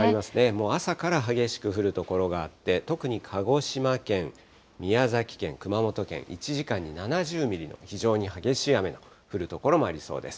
もう朝から激しく降る所があって、特に鹿児島県、宮崎県、熊本県、１時間に７０ミリの非常に激しい雨が降る所もありそうです。